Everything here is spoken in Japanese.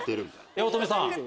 八乙女さん。